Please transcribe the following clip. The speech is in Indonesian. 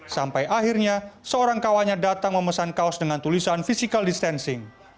sampai akhirnya seorang kawannya datang memesan kaos dengan tulisan physical distancing